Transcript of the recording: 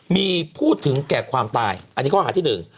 มีพูดถึงแก่ความตายอันนี้ข้อหาที่หนึ่ง